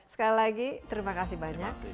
sekali lagi terima kasih banyak